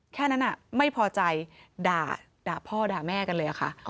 แค่นั้นอ่ะไม่พอใจด่าด่าพ่อด่าแม่กันเลยอ่ะค่ะอ๋อ